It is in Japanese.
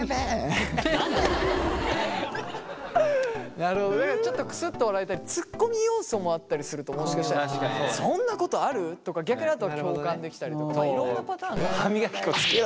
なるほどねちょっとくすっと笑えたりツッコミ要素もあったりするともしかしたらそんなことある？とか逆にあとは共感できたりとかいろんなパターンがある。